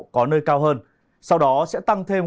có nơi cao hơn sau đó sẽ tăng thêm